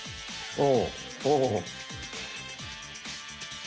おお！